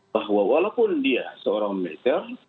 bahwa walaupun dia seorang militer